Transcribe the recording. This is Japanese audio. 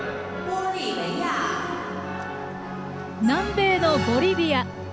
南米のボリビア。